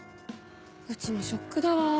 うちもショックだわ。